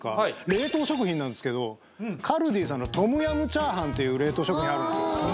冷凍食品なんですけどカルディさんのトムヤムチャーハンっていう冷凍食品あるんですよ